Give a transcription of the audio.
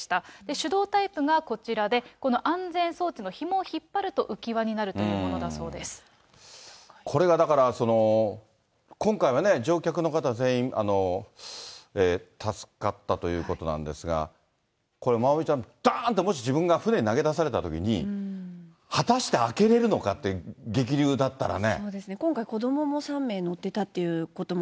手動タイプがこちらで、この安全装置のひもを引っ張ると浮き輪になるというものだそうでこれが、だから今回は、乗客の方、全員、助かったということなんですが、これ、まおみちゃん、だんって、もし自分が船に投げ出されたときに、果たして開けれるのかって、激流だったらね。